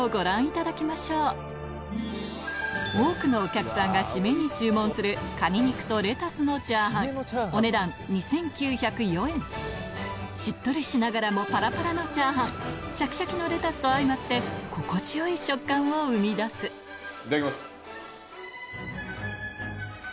では多くのお客さんが締めに注文するしっとりしながらもパラパラのチャーハンシャキシャキのレタスと相まって心地よい食感を生み出すいただきます。